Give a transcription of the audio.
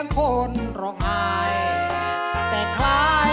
ขอร้องดายให้ร้าน